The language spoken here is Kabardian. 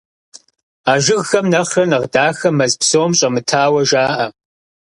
А жыгхэм нэхърэ нэхъ дахэ мэз псом щӏэмытауэ жаӏэ.